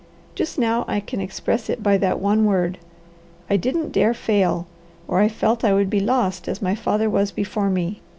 Just now I can express it by that one word. I didn't dare fail or I felt I would be lost as my father was before me.